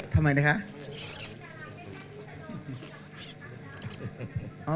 ทำไมนะคะ